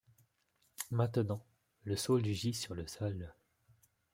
Maintenant, le saule gît sur le sol.